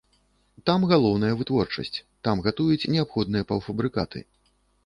Там галоўная вытворчасць, там гатуюць неабходныя паўфабрыкаты.